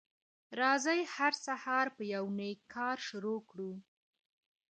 راځی هر سهار په یو نیک کار شروع کړو